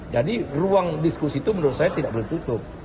jadi ruang diskusi itu menurut saya tidak boleh tutup